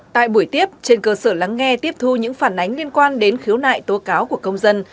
tại buổi tiếp trên cơ sở lắng nghe tiếp thu những phản ánh liên quan đến khiếu nại tố cáo của công dân